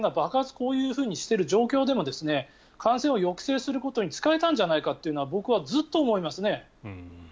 こういうような状況でも感染を抑制することに使えたんじゃないかと僕はずっと思いますね。